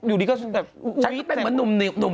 ถูกฟ้าจริงไหม